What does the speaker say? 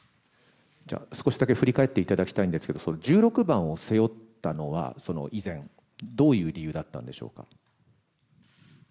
少しだけ振り返っていただきたいんですが１６番を背負ったのは以前どういう理由でしたか。